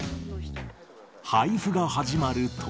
配布が始まると。